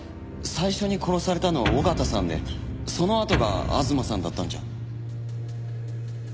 最初に殺されたのは緒方さんでそのあとが吾妻さんだったんじゃ？